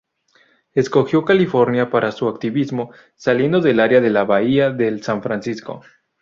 Escogió California para su activismo, saliendo del área de la Bahía del San Francisco.